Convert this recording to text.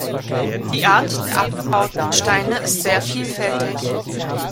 Die Art der abgebauten Gesteine ist sehr vielfältig.